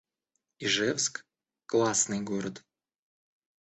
Ижевск — классный город